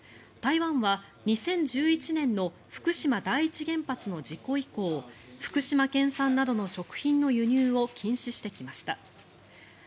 台湾は２０１１年の福島第一原発の事故以降福島県産などの食品の輸入を禁止してきました。